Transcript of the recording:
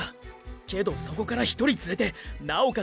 けどそこから１人連れてなおかつ